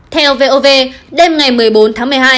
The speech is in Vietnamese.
theo vov đêm ngày một mươi bốn tháng một mươi hai